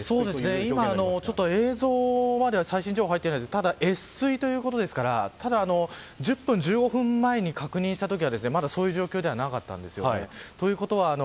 今、映像では最新情報入ってないんですがただ越水ということですから１０分、１５分前に確認した時はまだそういう状況ではなかったんです。